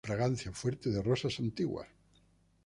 Fragancia fuerte de rosas antiguas.